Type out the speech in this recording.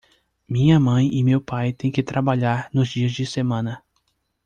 Minha mãe e meu pai têm que trabalhar nos dias de semana.